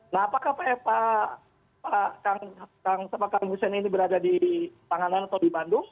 nah apakah pakar hussein ini berada di tanganan atau di bandung